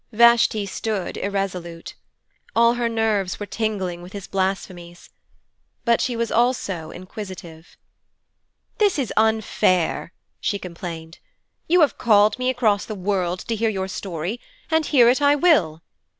Vashti stood irresolute. All her nerves were tingling with his blasphemies. But she was also inquisitive. 'This is unfair,' she complained. 'You have called me across the world to hear your story, and hear it I will.